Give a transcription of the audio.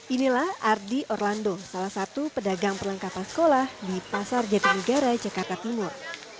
inilah ardi orlando salah satu pedagang perlengkapan sekolah di pasar jatinegara jakarta timur